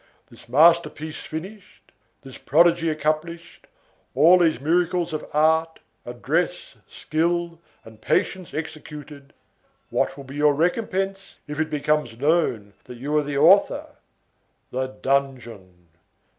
This masterpiece finished, this prodigy accomplished, all these miracles of art, address, skill, and patience executed, what will be your recompense if it becomes known that you are the author? The dungeon.